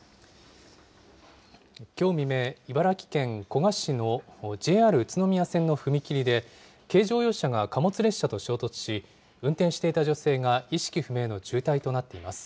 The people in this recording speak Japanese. きょう未明、茨城県古河市のＪＲ宇都宮線の踏切で、軽乗用車が貨物列車と衝突し、運転していた女性が意識不明の重体となっています。